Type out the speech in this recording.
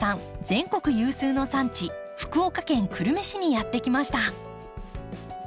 全国有数の産地福岡県久留米市にやって来ました。